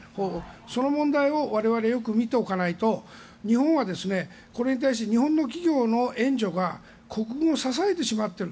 その問題を我々はよく見ておかないと日本はこれに対して日本の企業の援助が国軍を支えてしまっている。